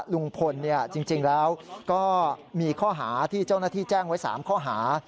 ลุงพลจริงแล้วก็มีข้อหาที่เจ้าหน้าที่แจ้งไว้๓ข้อหา